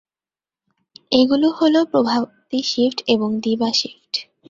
এগুলো হলো প্রভাতী শিফট এবং দিবা শিফট।